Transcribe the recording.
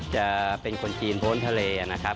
จะเป็นคนจีนพ้นทะเลนะครับ